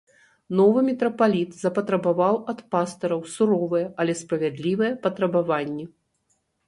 Новы мітрапаліт запатрабаваў ад пастыраў суровыя, але справядлівыя патрабаванні.